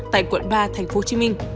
tại quận ba tp hcm